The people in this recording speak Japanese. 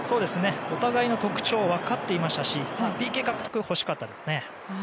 お互いの特徴を分かっていましたしＰＫ欲しかったですね。